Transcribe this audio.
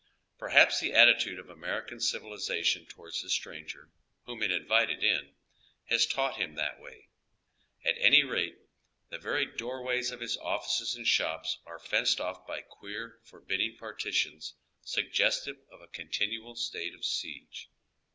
Perhaps the attitude of American civili zation toward the stranger, whom it invited in, has taught liim that way. At any rate, the very doorways of his offices and shops are fenced off by queer, forbidding partitions suggestive of a continual state of siege.